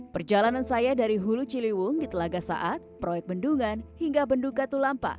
perjalanan saya dari hulu ciliwung di telaga saat proyek bendungan hingga bendung katulampa